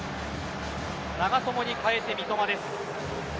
長友に代えて三笘です。